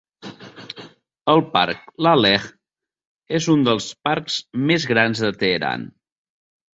El Parc Laleh és un dels parcs més grans de Teheran.